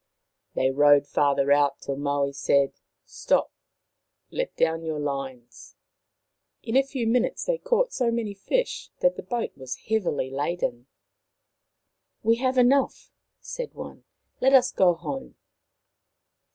They rowed farther out, till Maui said, " Stop. Let down your lines." In a few minutes they caught so many fish that the boat was heavily laden. " We have enough," said one. " Let us go home."